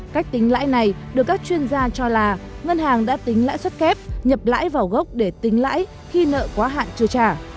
cách tính lãi này được các chuyên gia cho là ngân hàng đã tính lãi suất kép nhập lãi vào gốc để tính lãi khi nợ quá hạn chưa trả